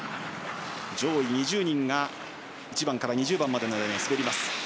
上位２０人が１番から２０番までの間に滑ります。